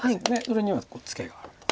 それにはツケがあると。